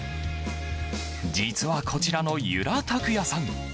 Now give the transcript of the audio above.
実は、こちらの由良拓也さん